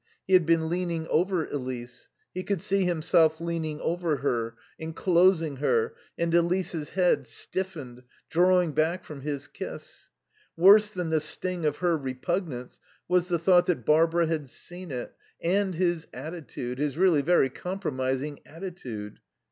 He had been leaning over Elise; he could see himself leaning over her, enclosing her, and Elise's head, stiffened, drawing back from his kiss. Worse than the sting of her repugnance was the thought that Barbara had seen it and his attitude, his really very compromising attitude.